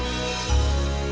bunuh diri lewat taper tunai ya